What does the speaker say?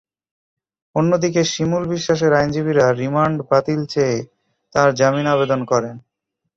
অন্যদিকে শিমুল বিশ্বাসের আইনজীবীরা রিমান্ড বাতিল চেয়ে তাঁর জামিন আবেদন করেন।